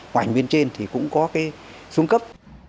hoành bên trên thì cũng có cái xuống cấp